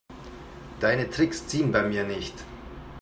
Deine Tricks ziehen bei mir nicht.